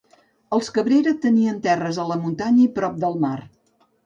Els Cabrera tenien terres a la muntanya i prop del mar.